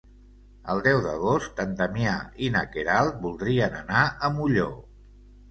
El deu d'agost en Damià i na Queralt voldrien anar a Molló.